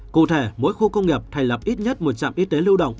cụ thể mỗi khu công nghiệp thành lập ít nhất một trạm y tế lưu động